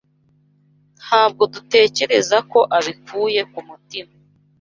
Ntabwo dutekereza ko abikuye ku mutima.